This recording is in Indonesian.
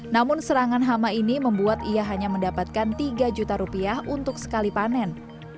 namun serangan hama ini membuat ia hanya mendapatkan tiga juta rupiah untuk sekali panen